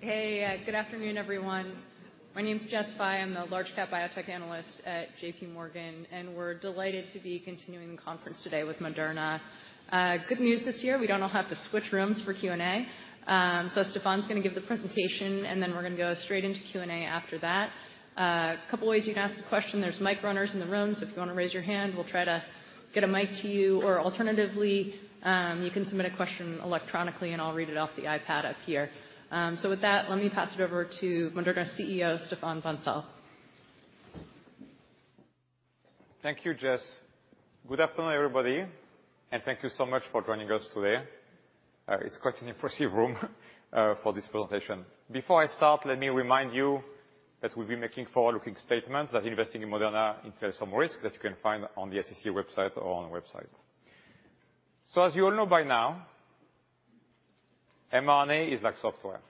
Hey, good afternoon, everyone. My name is Jess Fye. I'm the Large-Cap Biotech Analyst at JPMorgan, and we're delighted to be continuing the conference today with Moderna. Good news this year, we don't all have to switch rooms for Q&A. Stéphane's gonna give the presentation, and then we're gonna go straight into Q&A after that. A couple ways you can ask a question. There's mic runners in the room, so if you wanna raise your hand, we'll try to get a mic to you. Alternatively, you can submit a question electronically, and I'll read it off the iPad up here. With that, let me pass it over to Moderna's CEO, Stéphane Bancel. Thank you, Jess. Good afternoon, everybody, and thank you so much for joining us today. It's quite an impressive room for this presentation. Before I start, let me remind you that we'll be making forward-looking statements that investing in Moderna entails some risk that you can find on the SEC website or on the website. As you all know by now, mRNA is like software.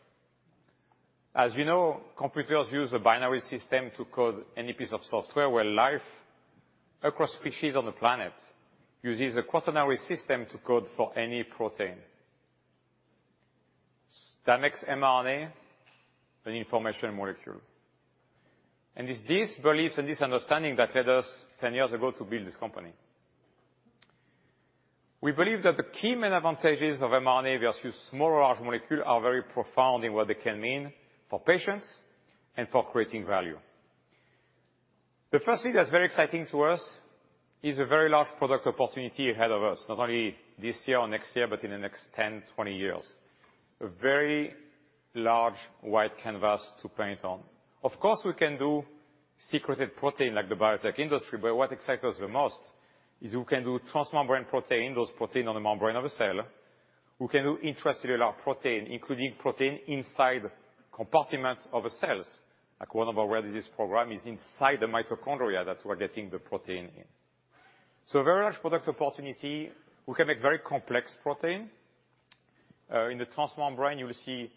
As you know, computers use a binary system to code any piece of software where life across species on the planet uses a quaternary system to code for any protein. That makes mRNA an information molecule. It's this belief and this understanding that led us 10 years ago to build this company. We believe that the key main advantages of mRNA versus small or large molecule are very profound in what they can mean for patients and for creating value. The first thing that's very exciting to us is a very large product opportunity ahead of us, not only this year or next year, but in the next 10, 20 years. A very large wide canvas to paint on. We can do secreted protein like the biotech industry, but what excites us the most is we can do transmembrane protein, those protein on the membrane of a cell. We can do intracellular protein, including protein inside compartments of a cells. Like one of our rare disease program is inside the mitochondria that we're getting the protein in. A very large product opportunity. We can make very complex protein. In the transmembrane, you will see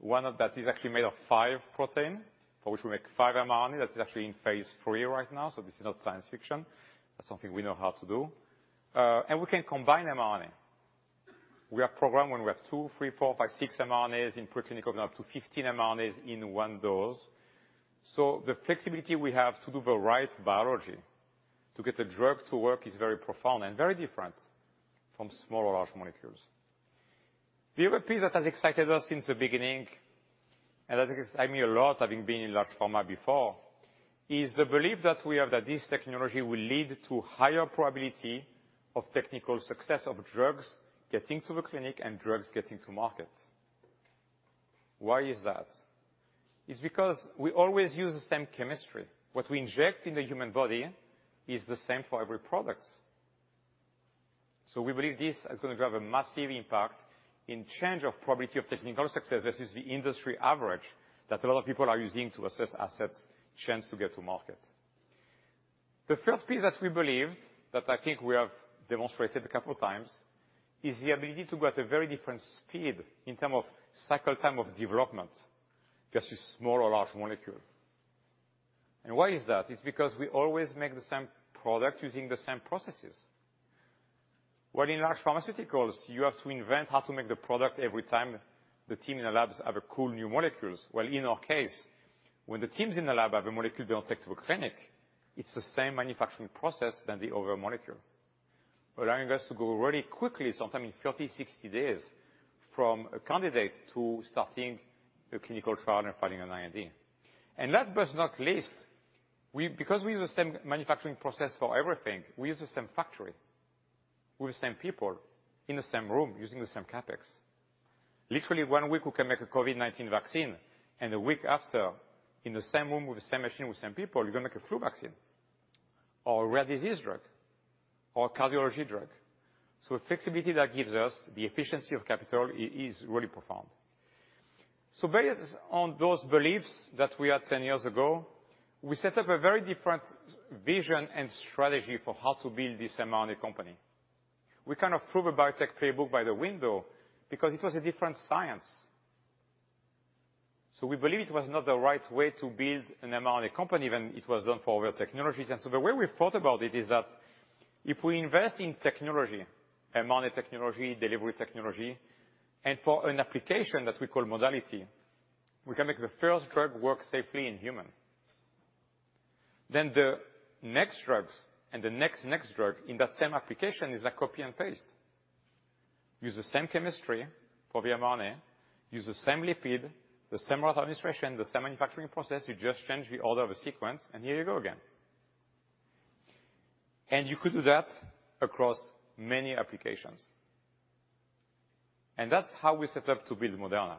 one of that is actually made of five protein, for which we make five mRNA. That is actually in phase III right now, this is not science fiction. That's something we know how to do. We can combine mRNA. We have program when we have two, three, four, five, six mRNAs in protein, going up to 15 mRNAs in one dose. The flexibility we have to do the right biology to get a drug to work is very profound and very different from small or large molecules. The other piece that has excited us since the beginning, and that excites me a lot, having been in large pharma before, is the belief that we have that this technology will lead to higher probability of technical success of drugs getting to the clinic and drugs getting to market. Why is that? It's because we always use the same chemistry. What we inject in the human body is the same for every product. We believe this is gonna have a massive impact in change of probability of technical success. This is the industry average that a lot of people are using to assess assets chance to get to market. The first piece that we believe that I think we have demonstrated a couple times is the ability to go at a very different speed in term of cycle time of development versus small or large molecule. Why is that? It's because we always make the same product using the same processes. In large pharmaceuticals, you have to invent how to make the product every time the team in the labs have a cool new molecules. Well, in our case, when the teams in the lab have a molecule they want to take to a clinic, it's the same manufacturing process than the other molecule, allowing us to go really quickly, sometime in 30, 60 days, from a candidate to starting a clinical trial and filing an IND. Last but not least, because we use the same manufacturing process for everything, we use the same factory with the same people in the same room using the same CapEx. Literally, one week we can make a COVID-19 vaccine, and a week after, in the same room with the same machine with same people, you're gonna make a flu vaccine or a rare disease drug or a cardiology drug. The flexibility that gives us the efficiency of capital is really profound. Based on those beliefs that we had 10 years ago, we set up a very different vision and strategy for how to build this mRNA company. We kind of threw the biotech playbook by the window because it was a different science. We believe it was not the right way to build an mRNA company than it was done for real technologies. The way we thought about it is that if we invest in technology, mRNA technology, delivery technology, and for an application that we call modality, we can make the first drug work safely in human. The next drugs and the next drug in that same application is like copy and paste. Use the same chemistry for the mRNA, use the same lipid, the same route of administration, the same manufacturing process. You just change the order of the sequence, and here you go again. You could do that across many applications. That's how we set up to build Moderna.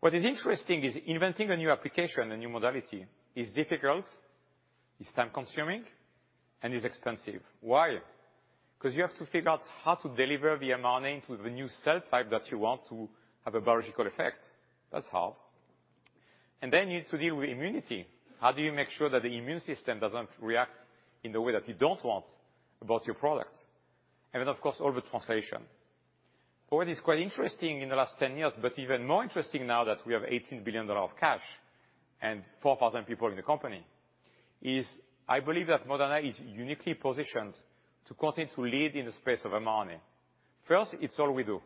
What is interesting is inventing a new application, a new modality is difficult, it's time-consuming, and is expensive. Why? 'Cause you have to figure out how to deliver the mRNA to the new cell type that you want to have a biological effect. That's hard. Then you need to deal with immunity. How do you make sure that the immune system doesn't react in the way that you don't want about your product? Then, of course, all the translation. What is quite interesting in the last 10 years, but even more interesting now that we have $18 billion of cash and 4,000 people in the company. I believe that Moderna is uniquely positioned to continue to lead in the space of mRNA. First, it's all we do.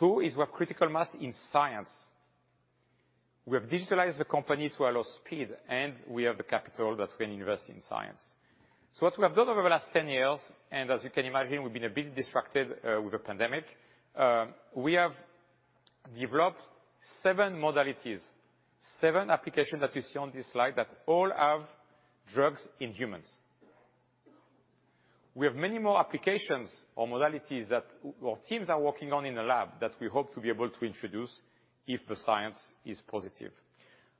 Two is we have critical mass in science. We have digitalized the company to allow speed. We have the capital that we can invest in science. What we have done over the last 10 years, as you can imagine, we've been a bit distracted with the pandemic, we have developed seven modalities, seven applications that you see on this slide that all have drugs in humans. We have many more applications or modalities that our teams are working on in the lab that we hope to be able to introduce if the science is positive.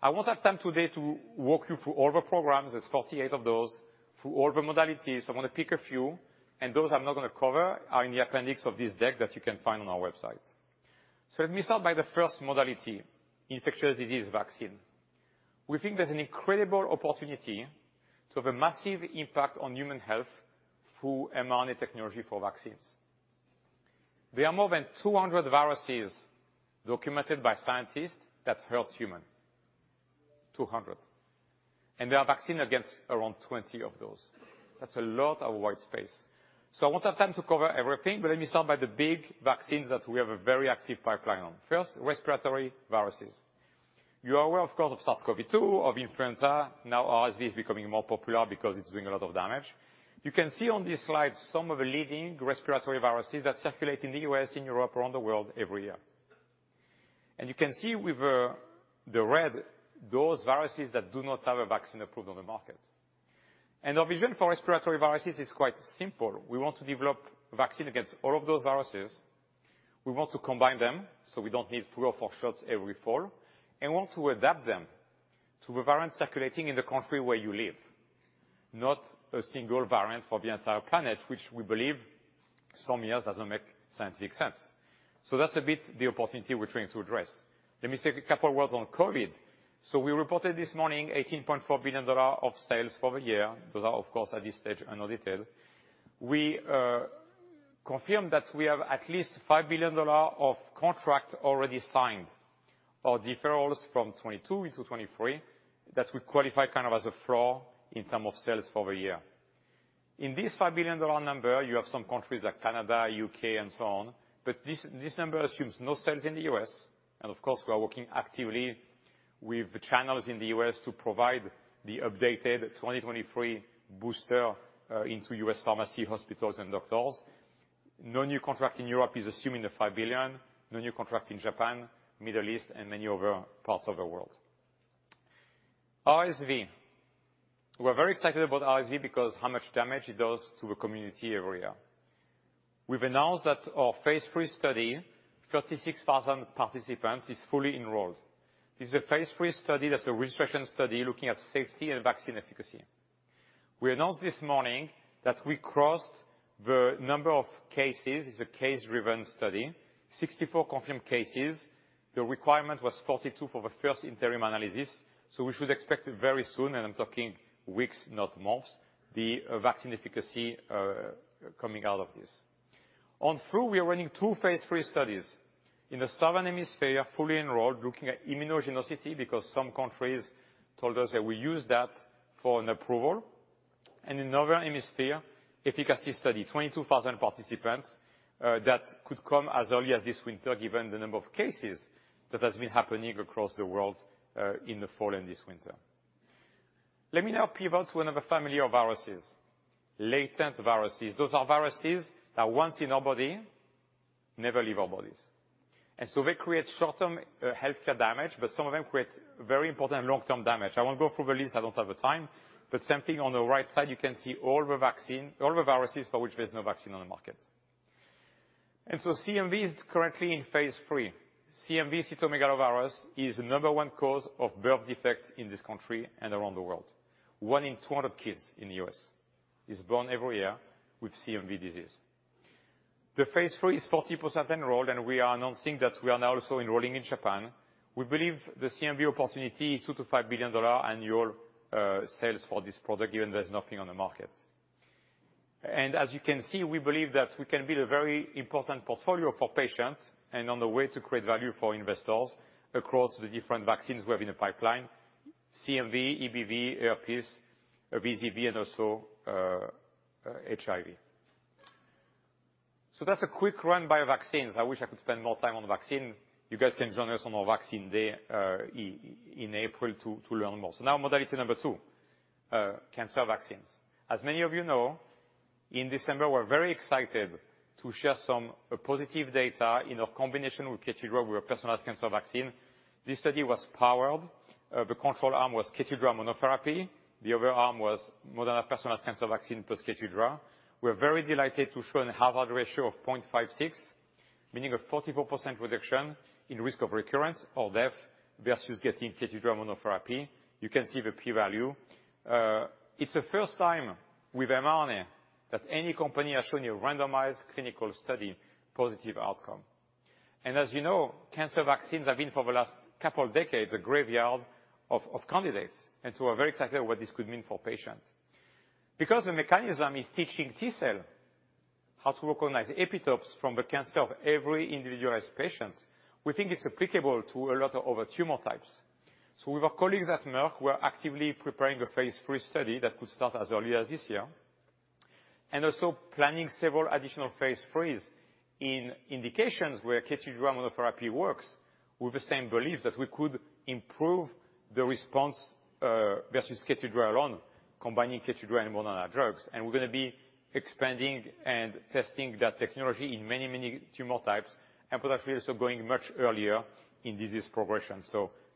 I won't have time today to walk you through all the programs, there's 48 of those, through all the modalities. I'm going to pick a few, and those I'm not going to cover are in the appendix of this deck that you can find on our website. Let me start by the first modality, infectious disease vaccine. We think there's an incredible opportunity to have a massive impact on human health through mRNA technology for vaccines. There are more than 200 viruses documented by scientists that hurts human. 200. There are vaccine against around 20 of those. That's a lot of white space. I want time to cover everything, but let me start by the big vaccines that we have a very active pipeline on. First, respiratory viruses. You are aware, of course, of SARS-CoV-2, of influenza. Now RSV is becoming more popular because it's doing a lot of damage. You can see on this slide some of the leading respiratory viruses that circulate in the U.S., in Europe, around the world every year. You can see with the red those viruses that do not have a vaccine approved on the market. Our vision for respiratory viruses is quite simple. We want to develop vaccine against all of those viruses. We want to combine them, so we don't need three or four shots every fall. We want to adapt them to the variant circulating in the country where you live, not a single variant for the entire planet, which we believe some years doesn't make scientific sense. That's a bit the opportunity we're trying to address. Let me say a couple words on COVID. We reported this morning $18.4 billion dollar of sales for the year. Those are, of course, at this stage unaudited. We confirmed that we have at least $5 billion dollar of contract already signed or deferrals from 2022 into 2023 that we qualify kind of as a floor in terms of sales for the year. In this $5 billion number, you have some countries like Canada, U.K., and so on, but this number assumes no sales in the U.S. Of course, we are working actively with the channels in the U.S. to provide the updated 2023 booster into U.S. pharmacy, hospitals, and doctors. No new contract in Europe is assuming the $5 billion. No new contract in Japan, Middle East, and many other parts of the world. RSV. We're very excited about RSV because how much damage it does to the community every year. We've announced that our phase III study, 36,000 participants, is fully enrolled. This is a phase III study that's a registration study looking at safety and vaccine efficacy. We announced this morning that we crossed the number of cases, it's a case-driven study, 64 confirmed cases. The requirement was 42 for the first interim analysis. We should expect it very soon, and I'm talking weeks, not months, the vaccine efficacy coming out of this. On flu, we are running two phase III studies. In the Southern Hemisphere, fully enrolled, looking at immunogenicity because some countries told us that we use that for an approval. In Northern Hemisphere, efficacy study, 22,000 participants, that could come as early as this winter given the number of cases that has been happening across the world, in the fall and this winter. Let me now pivot to another family of viruses, latent viruses. Those are viruses that once in our body, never leave our bodies. They create short-term, healthcare damage, but some of them create very important long-term damage. I won't go through the list, I don't have the time, but same thing on the right side, you can see all the viruses for which there's no vaccine on the market. CMV is currently in phase III. CMV, cytomegalovirus, is the number one cause of birth defects in this country and around the world. 1 in 200 kids in the U.S. is born every year with CMV disease. The phase III is 40% enrolled, and we are announcing that we are now also enrolling in Japan. We believe the CMV opportunity is $2 billion-$5 billion annual sales for this product, given there's nothing on the market. As you can see, we believe that we can build a very important portfolio for patients and on the way to create value for investors across the different vaccines we have in the pipeline: CMV, EBV, herpes, VZV, and also HIV. That's a quick run by vaccines. I wish I could spend more time on vaccine. You guys can join us on our vaccine day in April to learn more. Now Modality 2, cancer vaccines. As many of you know, in December, we're very excited to share some positive data in a combination with KEYTRUDA, with a personalized cancer vaccine. This study was powered. The control arm was KEYTRUDA monotherapy. The other arm was Moderna personalized cancer vaccine plus KEYTRUDA. We're very delighted to show a hazard ratio of 0.56, meaning a 44% reduction in risk of recurrence or death versus getting KEYTRUDA monotherapy. You can see the p-value. It's the first time with mRNA that any company has shown you a randomized clinical study positive outcome. As you know, cancer vaccines have been, for the last couple of decades, a graveyard of candidates. We're very excited what this could mean for patients. Because the mechanism is teaching T-cell how to recognize epitopes from the cancer of every individualized patient. We think it's applicable to a lot of other tumor types. with our colleagues at Merck, we're actively preparing a phase III study that could start as early as this year, and also planning several additional phase IIIs in indications where KEYTRUDA immunotherapy works with the same belief that we could improve the response versus KEYTRUDA alone, combining KEYTRUDA and monoclonal drugs. we're gonna be expanding and testing that technology in many, many tumor types, and potentially also going much earlier in disease progression,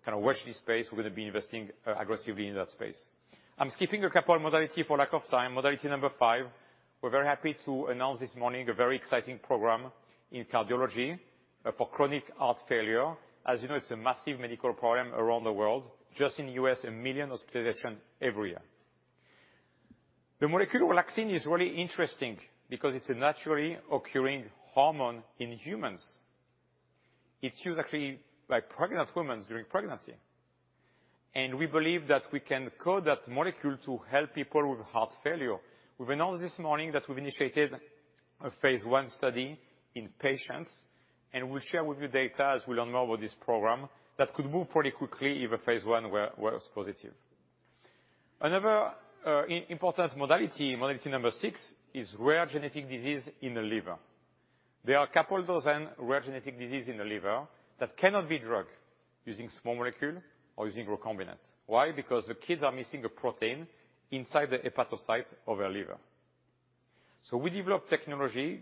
kind of watch this space. We're gonna be investing aggressively in that space. I'm skipping a couple modality for lack of time. Modality 5, we're very happy to announce this morning a very exciting program in cardiology for chronic heart failure. As you know, it's a massive medical problem around the world. Just in the U.S., 1 million hospitalizations every year. The molecular vaccine is really interesting because it's a naturally occurring hormone in humans. It's used actually by pregnant women during pregnancy. We believe that we can code that molecule to help people with heart failure. We've announced this morning that we've initiated a phase I study in patients, we'll share with you data as we learn more about this program that could move pretty quickly if a phase I was positive. Another important Modality 6 is rare genetic disease in the liver. There are a couple of those in rare genetic disease in the liver that cannot be drugged using small molecule or using recombinant. Why? Because the kids are missing a protein inside the hepatocyte of their liver. We developed technology,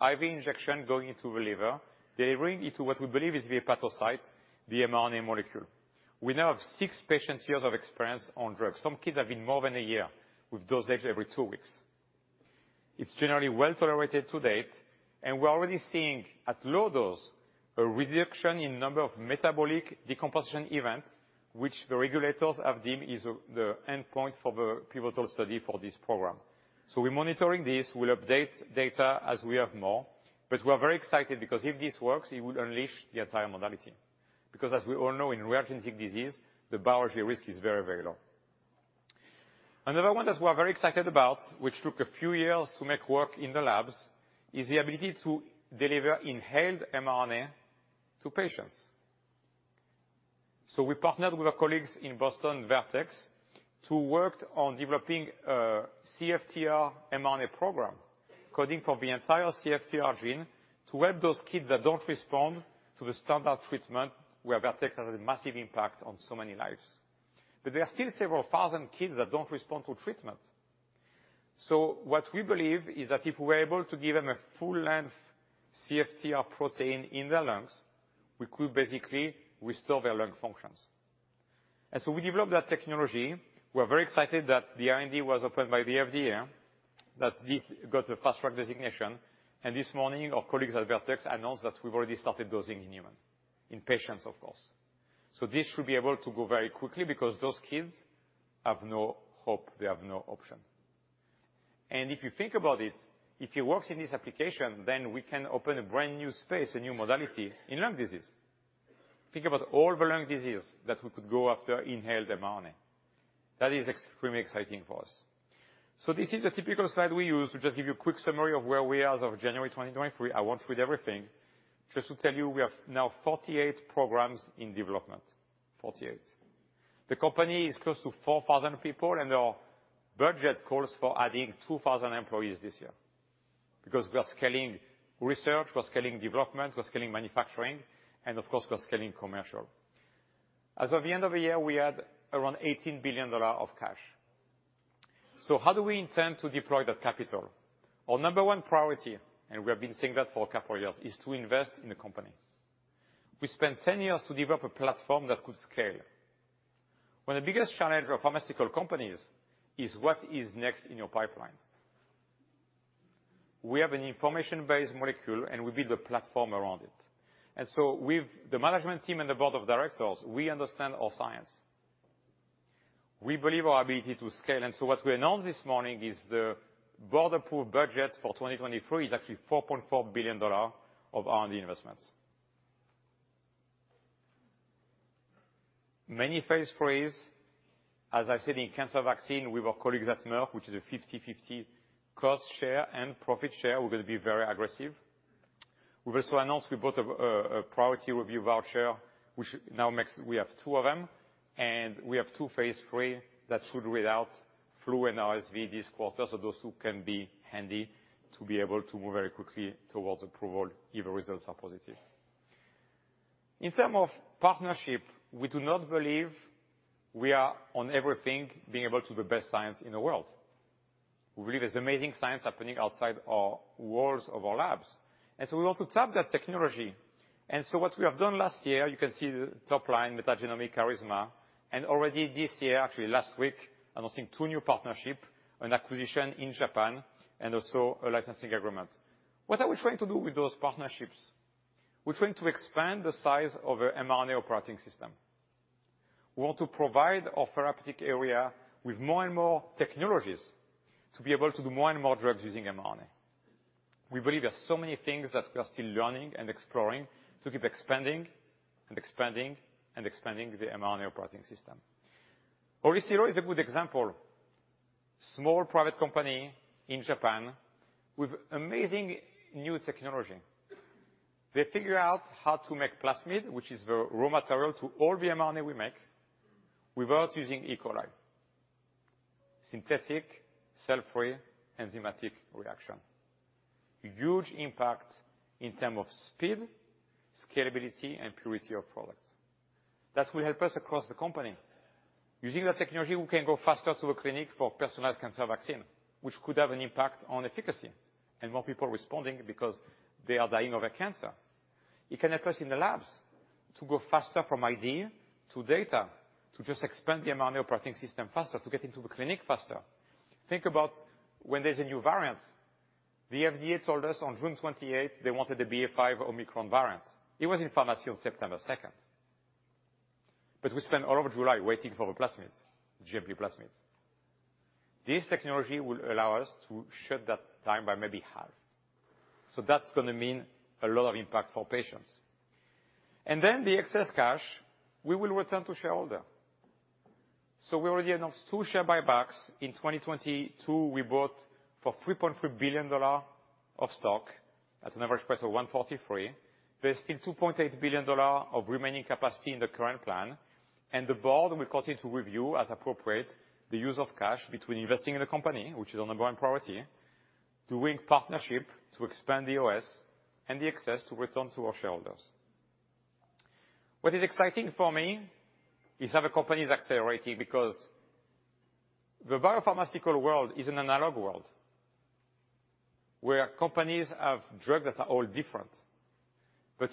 IV injection going into the liver, delivering it to what we believe is the hepatocyte, the mRNA molecule. We now have six patients years of experience on drug. Some kids have been more than a year with dosage every two weeks. It's generally well-tolerated to date, and we're already seeing at low dose a reduction in number of metabolic decompensation event, which the regulators have deemed is the endpoint for the pivotal study for this program. We're monitoring this. We'll update data as we have more, but we are very excited because if this works, it would unleash the entire modality. As we all know, in rare genetic disease, the biology risk is very, very low. Another one that we're very excited about, which took a few years to make work in the labs, is the ability to deliver inhaled mRNA to patients. We partnered with our colleagues in Boston, Vertex, to work on developing a CFTR mRNA program, coding for the entire CFTR gene to help those kids that don't respond to the standard treatment, where Vertex has a massive impact on so many lives. There are still several thousand kids that don't respond to treatment. What we believe is that if we're able to give them a full length CFTR protein in their lungs, we could basically restore their lung functions. We developed that technology. We're very excited that the R&D was opened by the FDA, that this got a fast-track designation. This morning, our colleagues at Vertex announced that we've already started dosing in human, in patients, of course. This should be able to go very quickly because those kids have no hope. They have no option. If you think about it, if it works in this application, then we can open a brand new space, a new modality in lung disease. Think about all the lung disease that we could go after inhaled mRNA. That is extremely exciting for us. This is a typical slide we use to just give you a quick summary of where we are as of January 2023. I won't read everything. Just to tell you, we have now 48 programs in development. 48. The company is close to 4,000 people, and our budget calls for adding 2,000 employees this year because we are scaling research, we're scaling development, we're scaling manufacturing, and of course, we're scaling commercial. As of the end of the year, we had around $18 billion of cash. How do we intend to deploy that capital? Our number one priority, and we have been saying that for a couple of years, is to invest in the company. We spent 10 years to develop a platform that could scale. One of the biggest challenge of pharmaceutical companies is what is next in your pipeline. We have an information-based molecule. We build a platform around it. With the management team and the board of directors, we understand our science. We believe our ability to scale. What we announced this morning is the board-approved budget for 2023 is actually $4.4 billion of R&D investments. Many phase III, as I said, in cancer vaccine with our colleagues at Merck, which is a 50/50 cost share and profit share, we're going to be very aggressive. We've also announced we bought a priority review voucher, which now makes... We have two of them, and we have two phase III that should read out, flu and RSV this quarter. Those two can be handy to be able to move very quickly towards approval if the results are positive. In term of partnership, we do not believe we are on everything being able to the best science in the world. We believe there's amazing science happening outside our walls of our labs. We want to tap that technology. What we have done last year, you can see the top line, Metagenomi OriCiro, and already this year, actually last week, announcing two new partnership, an acquisition in Japan, and also a licensing agreement. What are we trying to do with those partnerships? We're trying to expand the size of a mRNA operating system. We want to provide our therapeutic area with more and more technologies to be able to do more and more drugs using mRNA. We believe there's so many things that we are still learning and exploring to keep expanding the mRNA operating system. OriCiro is a good example. Small private company in Japan with amazing new technology. They figure out how to make plasmid, which is the raw material to all the mRNA we make, without using E. coli. Synthetic, cell-free, enzymatic reaction. Huge impact in term of speed, scalability, and purity of products. That will help us across the company. Using that technology, we can go faster to a clinic for personalized cancer vaccine, which could have an impact on efficacy and more people responding because they are dying of a cancer. It can help us in the labs to go faster from idea to data, to just expand the mRNA operating system faster, to get into the clinic faster. Think about when there's a new variant. The FDA told us on June twenty-eighth they wanted the BA.5 Omicron variant. It was in pharmacy on September second, we spent all of July waiting for the plasmids, GMP plasmids. This technology will allow us to shed that time by maybe half. That's gonna mean a lot of impact for patients. The excess cash, we will return to shareholder. We already announced two share buybacks. In 2022, we bought for $3.3 billion dollar of stock at an average price of $143. There's still $2.8 billion of remaining capacity in the current plan. The board will continue to review as appropriate the use of cash between investing in the company, which is our number one priority, doing partnership to expand the OS, and the excess to return to our shareholders. What is exciting for me is how the company is accelerating. The biopharmaceutical world is an analog world, where companies have drugs that are all different.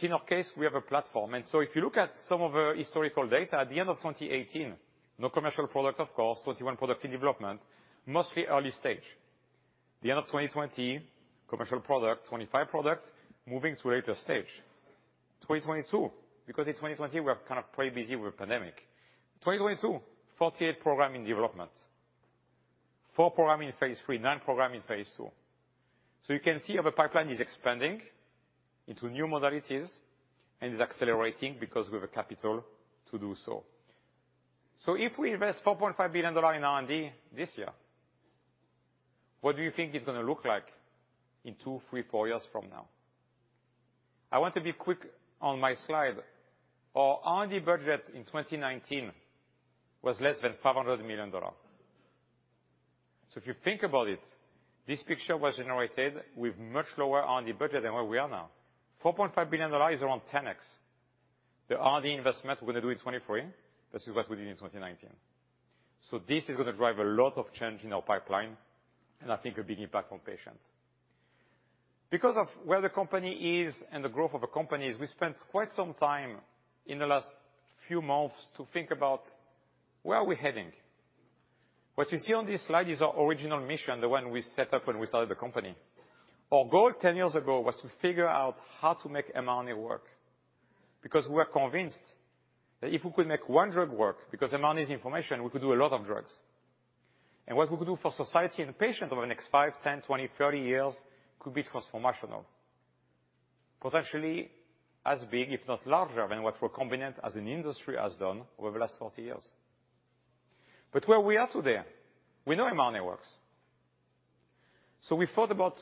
In our case, we have a platform. If you look at some of our historical data, at the end of 2018, no commercial product of course, 21 product in development, mostly early stage. The end of 2020, commercial product, 25 products moving to a later stage. 2022, because in 2020 we are kind of pretty busy with pandemic. 2022, 48 program in development. Four program in phase III, nine program in phase II. You can see how the pipeline is expanding into new modalities and is accelerating because we have a capital to do so. If we invest $4.5 billion in R&D this year, what do you think it's gonna look like in two, three, four years from now? I want to be quick on my slide. Our R&D budget in 2019 was less than $500 million. If you think about it, this picture was generated with much lower R&D budget than where we are now. $4.5 billion is around 10x. The R&D investment we're gonna do in 2023 versus what we did in 2019. This is gonna drive a lot of change in our pipeline, and I think a big impact on patients. Because of where the company is and the growth of the company is, we spent quite some time in the last few months to think about where are we heading. What you see on this slide is our original mission, the one we set up when we started the company. Our goal 10 years ago was to figure out how to make mRNA work because we were convinced that if we could make one drug work, because mRNA is information, we could do a lot of drugs. What we could do for society and patient over the next five, 10, 20, 30 years could be transformational. Potentially as big, if not larger, than what recombinant as an industry has done over the last 40 years. Where we are today, we know mRNA works. We thought about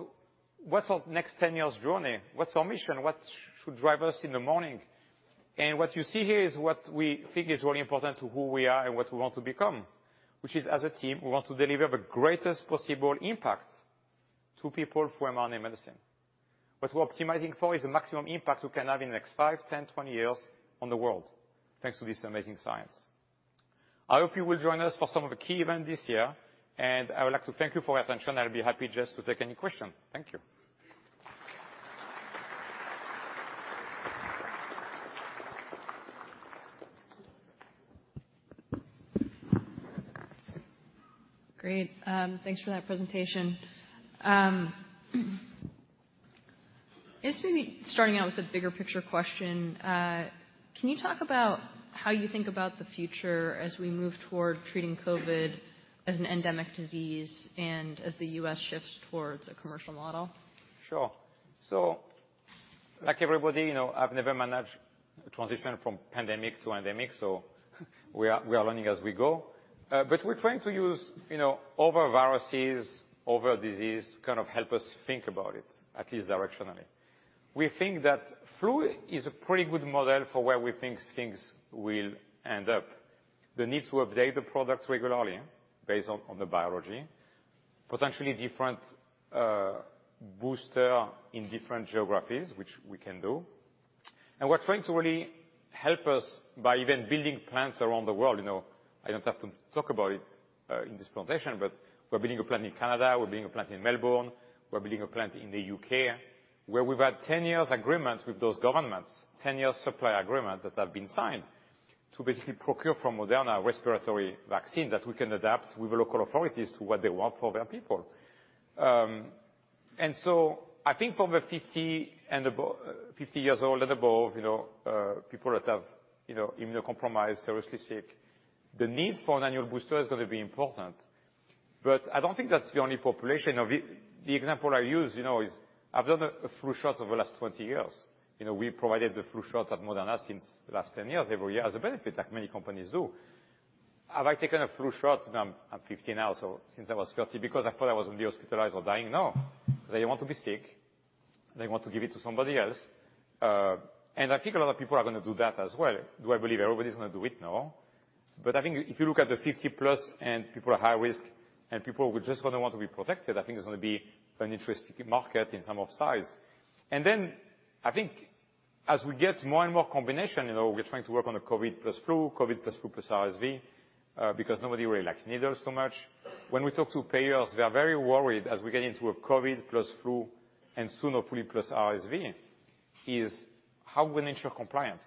what's our next 10 years journey, what's our mission, what should drive us in the morning? What you see here is what we think is really important to who we are and what we want to become, which is as a team, we want to deliver the greatest possible impact to people through mRNA medicine. What we're optimizing for is the maximum impact we can have in the next five, 10, 20 years on the world, thanks to this amazing science. I hope you will join us for some of the key event this year, and I would like to thank you for your attention. I'll be happy just to take any question. Thank you. Great. Thanks for that presentation. Just maybe starting out with a bigger picture question. Can you talk about how you think about the future as we move toward treating COVID as an endemic disease and as the U.S. shifts towards a commercial model? Sure. Like everybody, you know, I've never managed a transition from pandemic to endemic, so we are learning as we go. We're trying to use, you know, other viruses, other disease to kind of help us think about it, at least directionally. We think that flu is a pretty good model for where we think things will end up. The need to update the products regularly based on the biology, potentially different booster in different geographies, which we can do. We're trying to really help us by even building plants around the world, you know. I don't have to talk about it, in this presentation, but we're building a plant in Canada, we're building a plant in Melbourne, we're building a plant in the U.K., where we've had 10 years agreement with those governments, 10-year supply agreement that have been signed to basically procure from Moderna respiratory vaccines that we can adapt with the local authorities to what they want for their people. I think for the 50 and above, 50 years old and above, you know, people that have, you know, immunocompromised, seriously sick, the need for an annual booster is gonna be important. I don't think that's the only population. Now, the example I use, you know, is I've done a flu shot over the last 20 years. You know, we provided the flu shot at Moderna since the last 10 years, every year as a benefit, like many companies do. Have I taken a flu shot? Now I'm 50 now, so since I was 30, because I thought I was gonna be hospitalized or dying? No. They want to be sick, they want to give it to somebody else. I think a lot of people are gonna do that as well. Do I believe everybody's gonna do it? No. I think if you look at the 50+ and people at high risk and people who are just gonna want to be protected, I think it's gonna be an interesting market in term of size. I think as we get more and more combination, you know, we're trying to work on a COVID plus flu, COVID plus flu plus RSV, because nobody really likes needles so much. When we talk to payers, they are very worried as we get into a COVID plus flu and soon a flu plus RSV, is how we ensure compliance.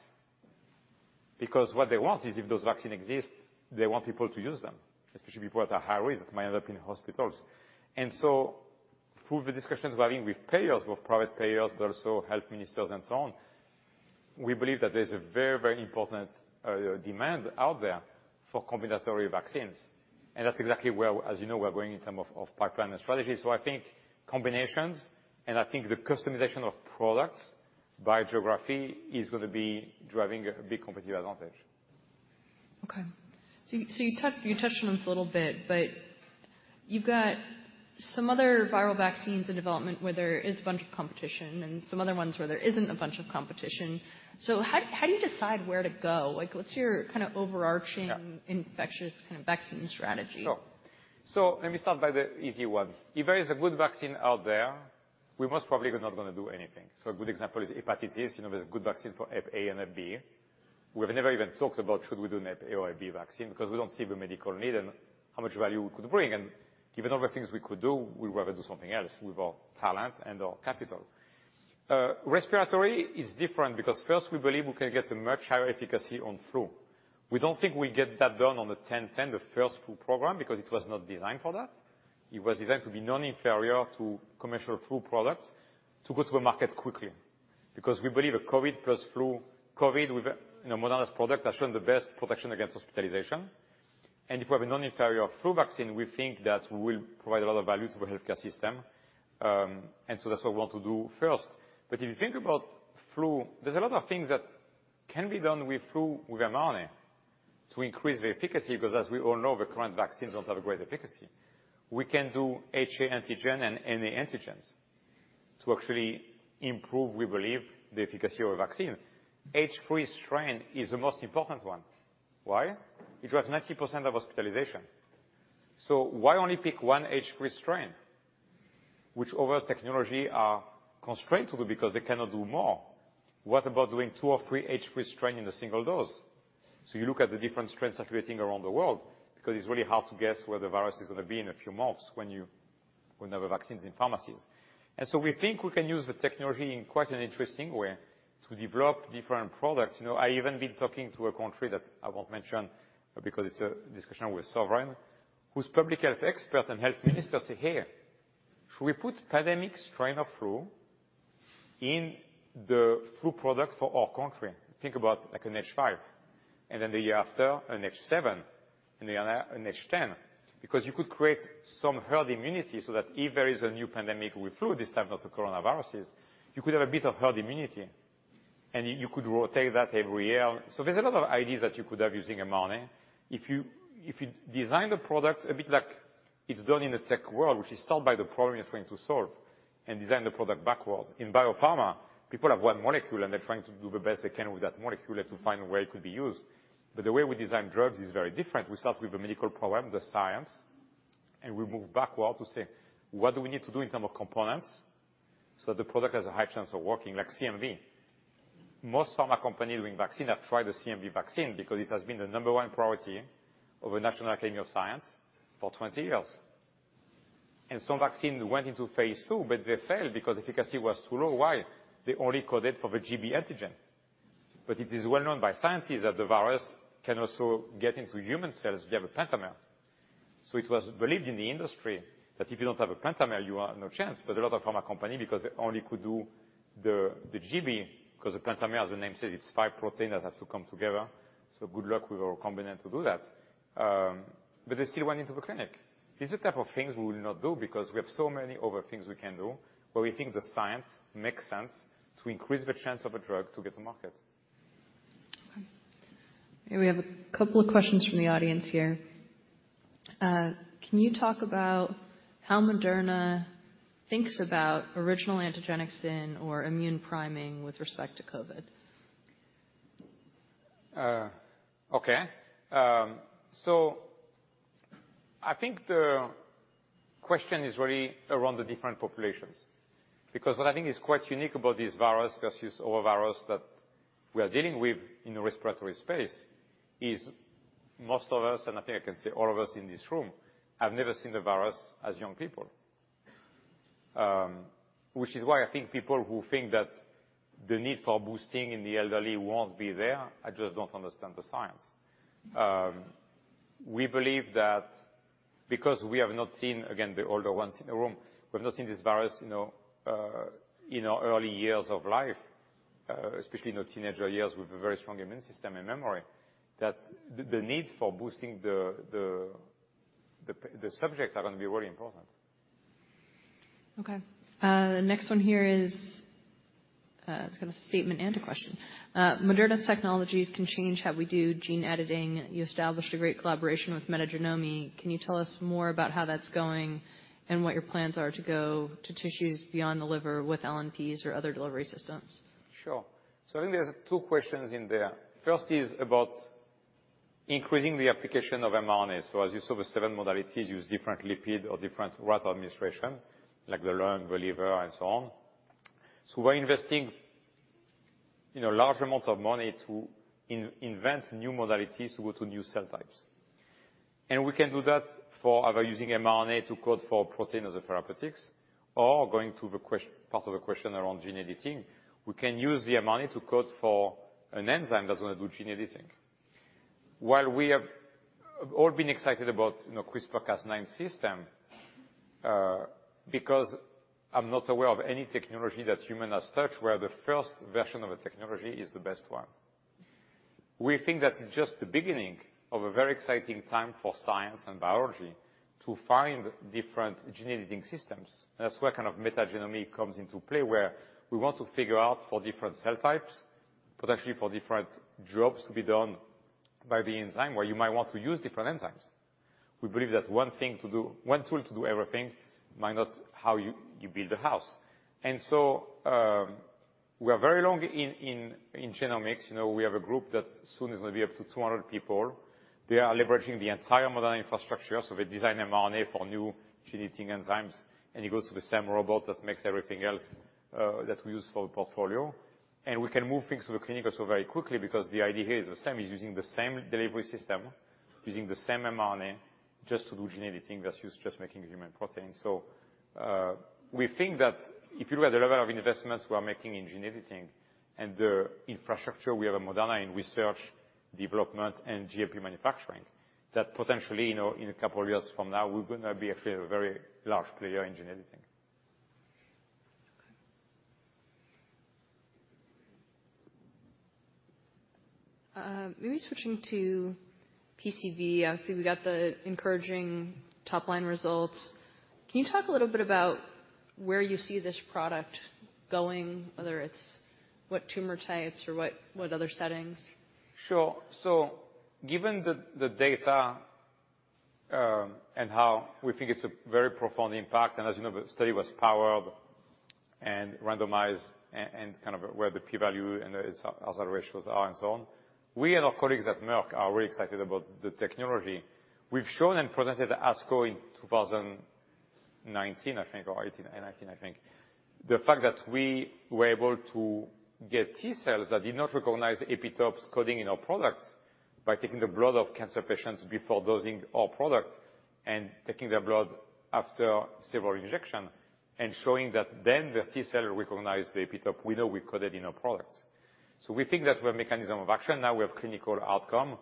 What they want is if those vaccine exists, they want people to use them, especially people at a high risk that might end up in hospitals. Through the discussions we're having with payers, with private payers, but also health ministers and so on, we believe that there's a very, very important demand out there for combinatory vaccines, and that's exactly where, as you know, we're going in term of pipeline and strategy. I think combinations, and I think the customization of products by geography is gonna be driving a big competitive advantage. Okay. You touched on this a little bit, but you've got some other viral vaccines in development where there is a bunch of competition and some other ones where there isn't a bunch of competition. How do you decide where to go? Like, what's your kind of overarching... Yeah. -infectious kind of vaccine strategy? Sure. Let me start by the easy ones. If there is a good vaccine out there, we most probably are not gonna do anything. A good example is hepatitis. You know, there's a good vaccine for Hepatitis A and Hepatitis B. We've never even talked about should we do an Hepatitis A or Hepatitis B vaccine because we don't see the medical need and how much value we could bring, and given other things we could do, we'd rather do something else with our talent and our capital. Respiratory is different because first, we believe we can get a much higher efficacy on flu. We don't think we get that done on the mRNA-1010, the first flu program, because it was not designed for that. It was designed to be non-inferior to commercial flu products to go to the market quickly. We believe a COVID plus flu, COVID with, you know, Moderna's product has shown the best protection against hospitalization. If we have a non-inferior flu vaccine, we think that we'll provide a lot of value to the healthcare system. That's what we want to do first. If you think about flu, there's a lot of things that can be done with flu with mRNA to increase the efficacy, because as we all know, the current vaccines don't have a great efficacy. We can do HA antigen and NA antigens to actually improve, we believe, the efficacy of a vaccine. H3 strain is the most important one. Why? It drives 90% of hospitalization. Why only pick one H3 strain, which other technology are constrained to do because they cannot do more? What about doing two or three H3 strain in a single dose? You look at the different strains circulating around the world, because it's really hard to guess where the virus is gonna be in a few months when we have vaccines in pharmacies. We think we can use the technology in quite an interesting way to develop different products. You know, I even been talking to a country that I won't mention because it's a discussion with sovereign, whose public health experts and health ministers say, "Hey, should we put pandemic strain of flu in the flu product for our country?" Think about like an H5, and then the year after an H7, and the other an H10, because you could create some herd immunity so that if there is a new pandemic with flu, this time not the coronaviruses, you could have a bit of herd immunity and you could rotate that every year. There's a lot of ideas that you could have using mRNA. If you design the product a bit like it's done in the tech world, which is start by the problem you're trying to solve, and design the product backwards. In biopharma, people have one molecule, and they're trying to do the best they can with that molecule and to find a way it could be used. The way we design drugs is very different. We start with the medical problem, the science, and we move backward to say, "What do we need to do in term of components so that the product has a high chance of working?" Like CMV. Most pharma company doing vaccine have tried the CMV vaccine because it has been the number one priority of the National Academy of Sciences for 20 years. Some vaccine went into phase II, but they failed because efficacy was too low. Why? They only coded for the gB antigen. It is well known by scientists that the virus can also get into human cells via the pentamer. It was believed in the industry that if you don't have a pentamer, you have no chance. A lot of pharma company, because they only could do the gB, 'cause the pentamer, as the name says, it's five protein that have to come together. Good luck with our recombinant to do that. They still went into the clinic. These are type of things we will not do because we have so many other things we can do, but we think the science makes sense to increase the chance of a drug to get to market. Okay. Yeah, we have a couple of questions from the audience here. Can you talk about how Moderna thinks about original antigenic sin or immune priming with respect to COVID? Okay. I think the question is really around the different populations, because what I think is quite unique about this virus versus other virus that we are dealing with in the respiratory space is most of us, and I think I can say all of us in this room, have never seen the virus as young people. Which is why I think people who think that the need for boosting in the elderly won't be there, I just don't understand the science. We believe that because we have not seen, again, the older ones in the room, we've not seen this virus, you know, in our early years of life. Especially in our teenager years with a very strong immune system and memory, that the need for boosting the subjects are gonna be very important. The next one here is, it's got a statement and a question. Moderna's technologies can change how we do gene editing. You established a great collaboration with Metagenomi. Can you tell us more about how that's going, and what your plans are to go to tissues beyond the liver with LNPs or other delivery systems? Sure. I think there's two questions in there. First is about increasing the application of mRNA. As you saw, the seven modalities use different lipid or different route of administration, like the lung, the liver, and so on. We're investing, you know, large amounts of money to invent new modalities to go to new cell types. We can do that for either using mRNA to code for protein as a therapeutics or going to the part of the question around gene editing. We can use the mRNA to code for an enzyme that's gonna do gene editing. While we have all been excited about, you know, CRISPR-Cas9 system, because I'm not aware of any technology that human has touched, where the first version of a technology is the best one. We think that's just the beginning of a very exciting time for science and biology to find different gene editing systems. That's where kind of Metagenomi comes into play, where we want to figure out for different cell types, potentially for different jobs to be done by the enzyme, where you might want to use different enzymes. We believe that's one tool to do everything might not how you build a house. We are very long in genomics. You know, we have a group that soon is gonna be up to 200 people. They are leveraging the entire Moderna infrastructure, so they design mRNA for new gene editing enzymes, and it goes to the same robot that makes everything else that we use for the portfolio. We can move things to the clinical so very quickly because the idea here is the same, is using the same delivery system, using the same mRNA just to do gene editing that's used just making human protein. We think that if you look at the level of investments we are making in gene editing and the infrastructure we have at Moderna in research, development, and GLP manufacturing, that potentially, you know, in a couple of years from now, we're gonna be actually a very large player in gene editing. Okay. maybe switching to PCV. Obviously, we got the encouraging top-line results. Can you talk a little bit about where you see this product going, whether it's what tumor types or what other settings? Sure. Given the data, and how we think it's a very profound impact, and as you know, the study was powered and randomized and kind of where the p-value and the hazard ratios are and so on, we and our colleagues at Merck are really excited about the technology. We've shown and presented ASCO in 2019, I think, or 2018... 2019, I think. The fact that we were able to get T-cells that did not recognize epitopes coding in our products by taking the blood of cancer patients before dosing our product and taking their blood after several injection and showing that then the T-cell recognized the epitope we know we coded in our products. We think that we have mechanism of action, now we have clinical outcome.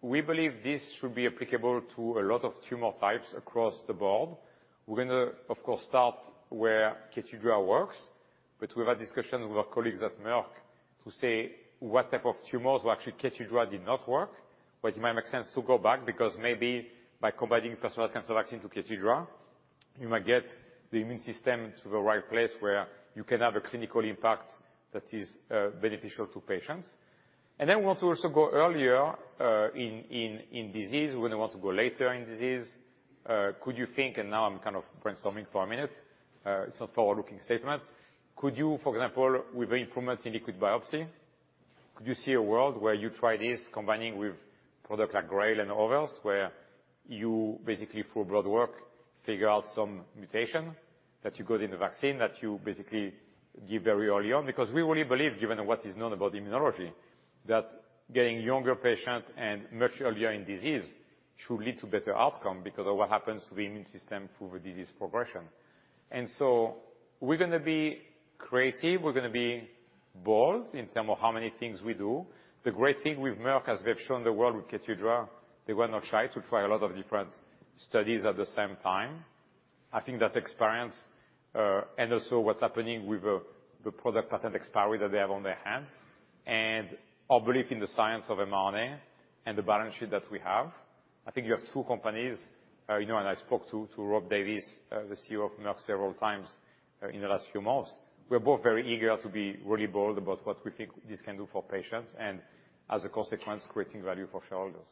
We believe this should be applicable to a lot of tumor types across the board. We're gonna, of course, start where KEYTRUDA works, but we've had discussions with our colleagues at Merck to say what type of tumors will actually KEYTRUDA did not work, but it might make sense to go back because maybe by combining personalized cancer vaccine to KEYTRUDA, you might get the immune system to the right place where you can have a clinical impact that is beneficial to patients. We want to also go earlier in disease, we want to go later in disease. Could you think, and now I'm kind of brainstorming for a minute, it's not forward-looking statements. Could you, for example, with the improvements in liquid biopsy, could you see a world where you try this combining with products like GRAIL and others, where you basically, through blood work, figure out some mutation that you got in the vaccine, that you basically give very early on? Because we really believe, given what is known about immunology, that getting younger patient and much earlier in disease should lead to better outcome because of what happens to the immune system through the disease progression. We're gonna be creative, we're gonna be bold in terms of how many things we do. The great thing with Merck, as they've shown the world with KEYTRUDA, they will not try a lot of different studies at the same time. I think that experience, also what's happening with the product patent expiry that they have on their hand, and our belief in the science of mRNA and the balance sheet that we have, I think you have two companies. You know, I spoke to Rob Davis, the CEO of Merck, several times, in the last few months. We're both very eager to be really bold about what we think this can do for patients and, as a consequence, creating value for shareholders.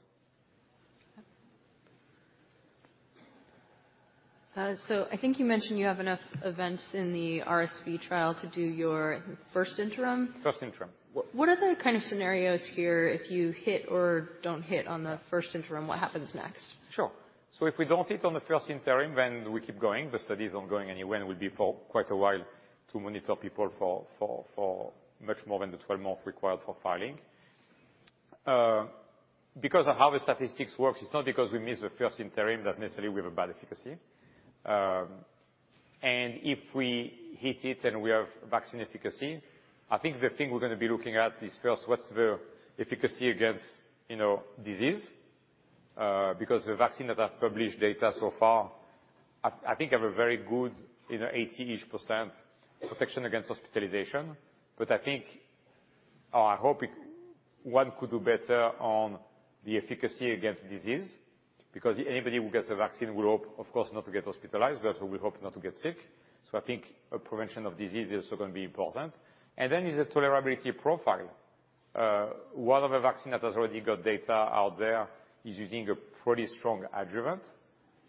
I think you mentioned you have enough events in the RSV trial to do your first interim? First interim. What are the kind of scenarios here if you hit or don't hit on the first interim? What happens next? Sure. If we don't hit on the first interim, then we keep going. The study is ongoing, and UN will be for quite a while to monitor people for much more than the 12 months required for filing. Because of how the statistics works, it's not because we missed the first interim that necessarily we have a bad efficacy. If we hit it and we have vaccine efficacy, I think the thing we're gonna be looking at is first, what's the efficacy against, you know, disease? Because the vaccine that have published data so far, I think have a very good, you know, 80-ish% protection against hospitalization. I think, or I hope it... One could do better on the efficacy against disease, because anybody who gets a vaccine will hope, of course, not to get hospitalized, but we hope not to get sick. I think a prevention of disease is also gonna be important. Then there's a tolerability profile. One of the vaccine that has already got data out there is using a pretty strong adjuvant.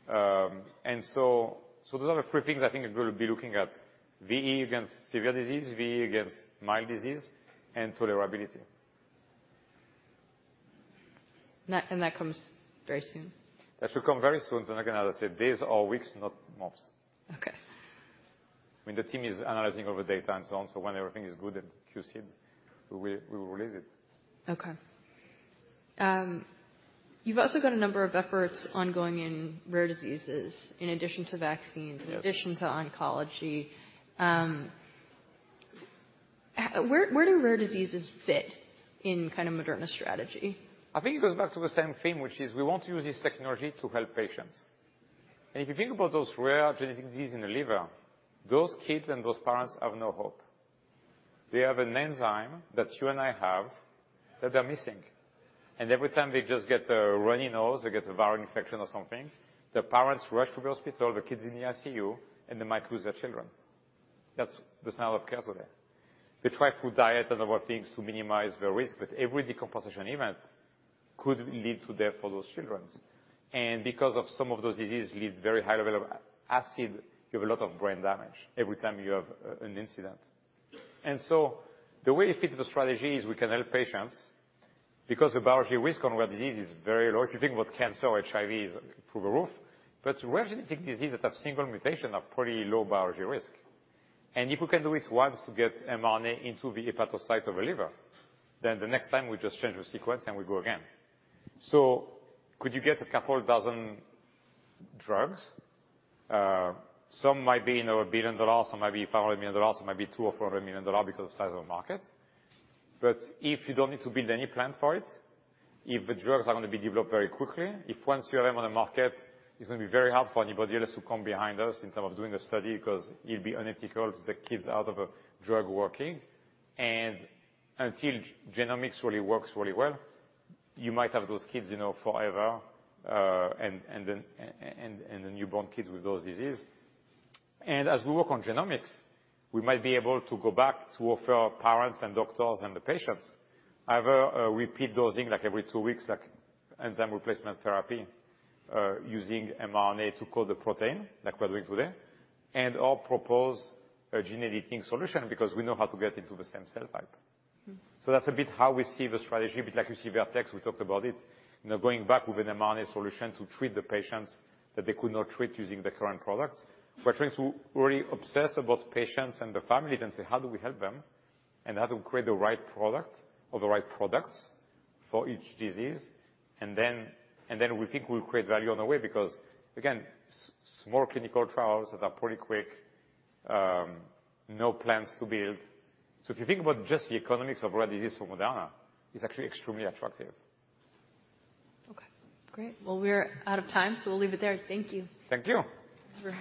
So those are the three things I think we're gonna be looking at: VE against severe disease, VE against mild disease, and tolerability. That comes very soon? That should come very soon. Like I said, days or weeks, not months. Okay. I mean, the team is analyzing all the data and so on, so when everything is good and QC'd, we will release it. Okay. you've also got a number of efforts ongoing in rare diseases in addition to vaccines. Yes. in addition to oncology. Where do rare diseases fit in kinda Moderna's strategy? I think it goes back to the same theme, which is we want to use this technology to help patients. If you think about those rare genetic disease in the liver, those kids and those parents have no hope. They have an enzyme that you and I have that they're missing, and every time they just get a runny nose or get a viral infection or something, the parents rush to the hospital, the kid's in the ICU, and they might lose their children. That's the standard of care today. They try to diet and other things to minimize the risk, but every decomposition event could lead to death for those childrens. Because of some of those diseases leads very high level of acid, you have a lot of brain damage every time you have an incident. The way it fits the strategy is we can help patients because the biology risk on rare disease is very low. If you think about cancer or HIV is through the roof, but rare genetic disease that have single mutation are pretty low biology risk. If we can do it once to get mRNA into the hepatocyte of a liver, then the next time we just change the sequence and we go again. Could you get a couple dozen drugs? Some might be, you know, $1 billion, some might be $500 million, some might be $200 million or $400 million because of the size of the market. If you don't need to build any plans for it, if the drugs are gonna be developed very quickly, if once you have them on the market, it's gonna be very hard for anybody else to come behind us in terms of doing a study 'cause it'd be unethical to take kids out of a drug working. Until genomics really works really well, you might have those kids, you know, forever, and then, and the newborn kids with those disease. As we work on genomics, we might be able to go back to offer our parents and doctors and the patients either a repeat dosing, like every two weeks, like enzyme replacement therapy, using mRNA to code the protein like we're doing today, and/or propose a gene editing solution because we know how to get into the same cell type. Mm. That's a bit how we see the strategy. A bit like you see Vertex, we talked about it, you know, going back with an mRNA solution to treat the patients that they could not treat using the current products. We're trying to really obsess about patients and the families and say, "How do we help them? How do we create the right product or the right products for each disease?" Then we think we'll create value on the way because, again, small clinical trials that are pretty quick, no plans to build. If you think about just the economics of rare disease for Moderna, it's actually extremely attractive. Okay, great. Well, we're out of time, so we'll leave it there. Thank you. Thank you. Sure.